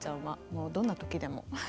もうどんな時でも。